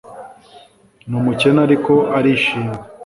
Ni umukene ariko arishimye